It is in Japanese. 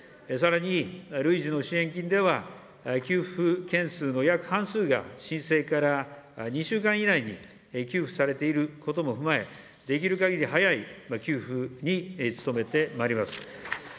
さらに、累次の支援金では、給付件数の約半数が申請から２週間以内に給付されていることも踏まえ、できるかぎり早い給付に努めてまいります。